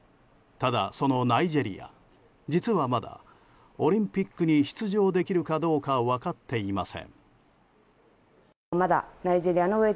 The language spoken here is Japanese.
ただ、そのナイジェリア実はまだオリンピックに出場できるかどうか分かっていません。